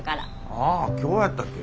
ああ今日やったっけ。